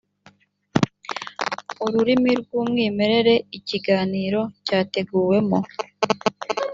ururimi rw‘umwimerere ikiganiro cyateguwemo